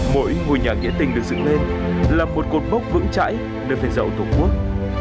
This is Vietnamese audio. mỗi ngôi nhà nghĩa tình được dựng lên là một cột bốc vững chãi đưa về dậu tổ quốc